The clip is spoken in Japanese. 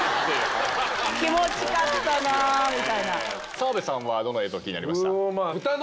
澤部さんはどの映像気になりました？